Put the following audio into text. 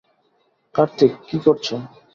কার্তিক, কী করছো?